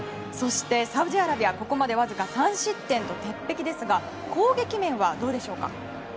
そして、サウジアラビアここまでわずか３失点と鉄壁ですが攻撃面はどうですか？